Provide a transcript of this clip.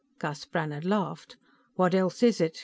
Gus Brannhard laughed. "What else is it?"